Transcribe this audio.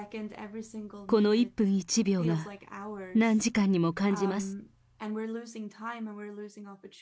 この一分一秒が何時間にも感じます。